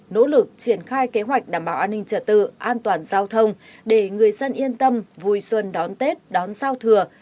nỗ lực triển khai kế hoạch đảm bảo an ninh trật tự an toàn giao thông để người dân yên tâm vui xuân đón tết đón giao thừa